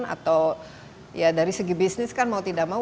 atau ya dari segi bisnis kan mau tidak mau